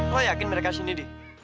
kau yakin mereka sini di